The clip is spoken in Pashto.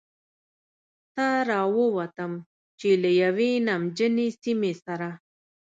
ته را ووتم، چې له یوې نمجنې سیمې سره.